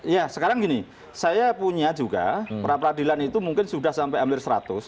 ya sekarang gini saya punya juga perapradilan itu mungkin sudah sampai hampir seratus